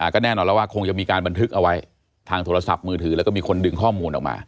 ก็แน่นอนแล้วว่าคงจะมีการบันทึกเอาไว้ทางโทรศัพท์มือถือแล้วก็มีคนดึงข้อมูลออกมา